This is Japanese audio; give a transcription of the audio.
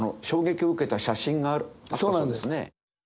そうなんです。